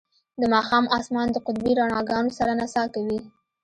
د ماښام اسمان د قطبي رڼاګانو سره نڅا کوي